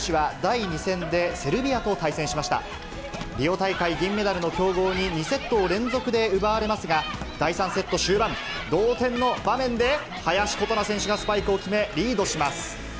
大会銀メダルの強豪に２セットを連続で奪われますが、第３セット終盤、同点の場面で、林琴奈選手がスパイクを決め、リードします。